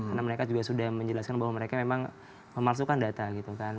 karena mereka juga sudah menjelaskan bahwa mereka memang memalsukan data gitu kan